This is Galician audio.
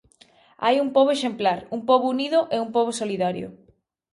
Hai un pobo exemplar, un pobo unido e un pobo solidario.